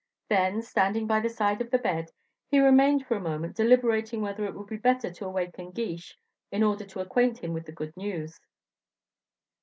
Then, standing by the side of the bed, he remained for a moment deliberating whether it would be better to awaken Guiche, in order to acquaint him with the good news.